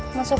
itu si emak